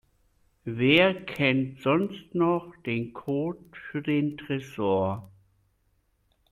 Wer kennt sonst noch den Code für den Tresor?